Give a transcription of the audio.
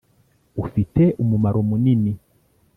ufite umumaro munini